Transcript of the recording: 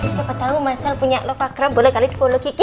siapa tau mas shel punya love acre boleh kali follow kiki